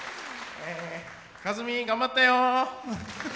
かずみ、頑張ったよ！